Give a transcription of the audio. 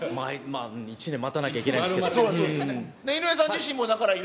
１年待たなきゃいけないんですけど。